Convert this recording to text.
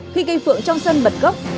khi cây phượng trong sân bật gốc